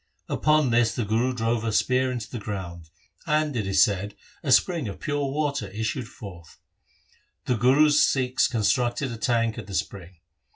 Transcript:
Upon this the Guru drove a spear into the ground, and it is said, a spring of pure water issued forth. The Guru's Sikhs constructed a tank at the spring.